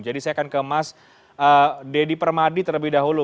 jadi saya akan ke mas deddy permadi terlebih dahulu